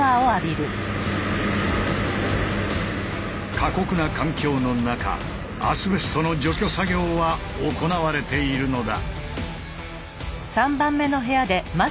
過酷な環境の中アスベストの除去作業は行われているのだ。